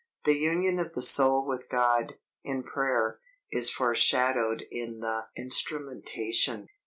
The union of the soul with God, in prayer, is foreshadowed in the instrumentation.